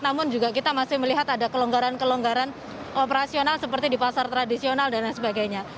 namun juga kita masih melihat ada kelonggaran kelonggaran operasional seperti di pasar tradisional dan lain sebagainya